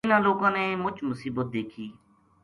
اِنھاں لوکاں نے مُچ مصیبت دیکھی